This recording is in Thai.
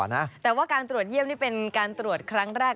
แต่ว่าการตรวจเยี่ยมนี่เป็นการตรวจครั้งแรก